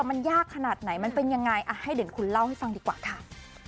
มันยากขนาดไหนมันเป็นยังไงอ่ะให้เดี๋ยวคุณเล่าให้ฟังดีกว่าค่ะ